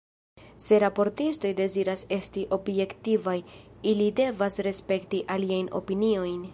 Se raportistoj deziras esti objektivaj, ili devas respekti aliajn opiniojn.